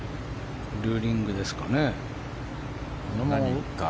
ルーリングですかね。